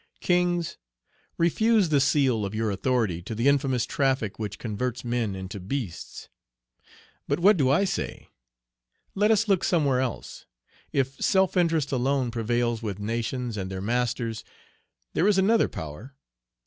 Kings, refuse the seal of your authority to the infamous traffic which converts men into beasts. But what do I say? Let us look somewhere else. If self interest alone prevails with nations and their masters, there is another power.